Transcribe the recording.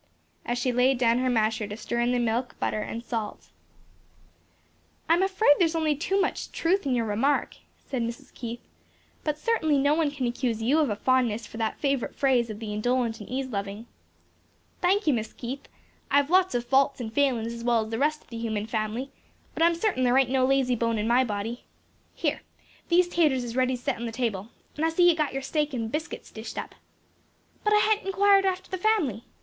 as she laid down her masher to stir in the milk, butter and salt. "I'm afraid there is only too much truth in your remark," said Mrs. Keith, "but certainly no one can accuse you of a fondness for that favorite phrase of the indolent and ease loving." "Thank you, Mis' Keith. I've lots of faults and failin's as well's the rest o' the human family, but I'm certain sure there ain't no lazy bone in my body. "Here these taters is ready to set on the table, and I see you've got your steak and biscuits dished up. But I hain't inquired after the fam'ly.